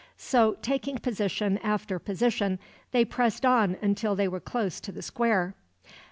So, taking position after position, they pressed on until they were close to the square.